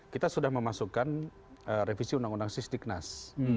kita sudah memasukkan revisi undang undang sis di knas